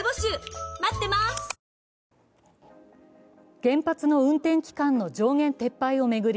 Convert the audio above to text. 原発の運転期間の上限撤廃を巡り